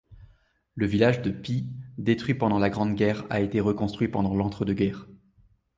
Le village de Pys, détruit pendant la Grande Guerre a été reconstruit pendant l'entre-deux-guerres.